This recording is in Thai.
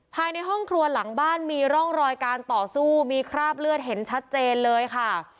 ภายในห้องครัวหลังบ้านมีร่องรอยการต่อสู้มีคราบเลือดเห็นชัดเจนเลยค่ะ